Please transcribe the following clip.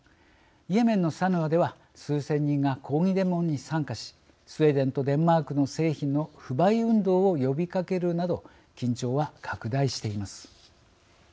イエメンのサヌアでは数千人が抗議デモに参加しスウェーデンとデンマークの製品の不買運動を呼びかけるなど緊張は拡大しています。